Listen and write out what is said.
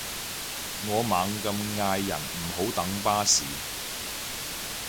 我猛咁嗌人唔好等巴士